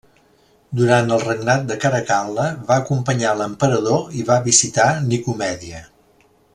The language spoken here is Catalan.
Durant el regnat de Caracal·la, va acompanyar l'emperador i va visitar Nicomèdia.